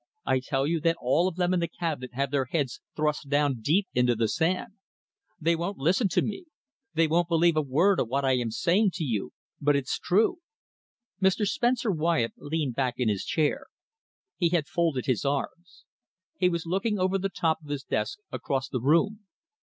I tell you that all of them in the Cabinet have their heads thrust deep down into the sand. They won't listen to me. They wouldn't believe a word of what I am saying to you, but it's true." Mr. Spencer Wyatt leaned back in his chair. He had folded his arms. He was looking over the top of his desk across the room.